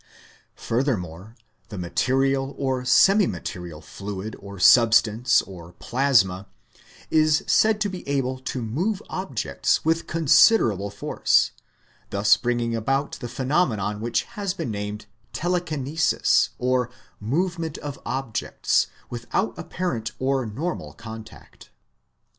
Furthermore, the material or semi material fluid or sub stance or plasma is said to be able to move objects with consid Psychic Science 583 arable force, thus bringing about the phenomenon which has been named "telekinesis," or movement of objects without apparent or normal contact.